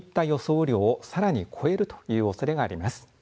雨量をさらに超えるというおそれがあります。